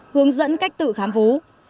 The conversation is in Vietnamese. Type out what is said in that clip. hướng dẫn cách tự khám vú